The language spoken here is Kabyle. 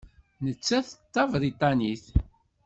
Nettat d Tabriṭanit.